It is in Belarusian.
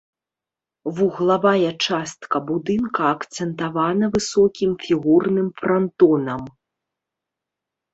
Вуглавая частка будынка акцэнтавана высокім фігурным франтонам.